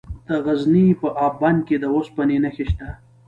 د غزني په اب بند کې د اوسپنې نښې شته.